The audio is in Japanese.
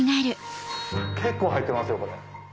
結構入ってますよこれ。